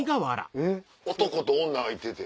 男と女がいてて。